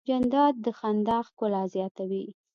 جانداد د خندا ښکلا زیاتوي.